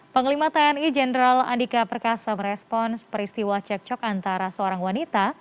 panglima tni jenderal andika perkasa merespon peristiwa cekcok antara seorang wanita